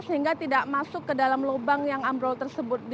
sehingga tidak masuk ke dalam lubang yang ambrol tersebut